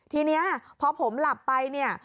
ทีนี้พอผมหลับไป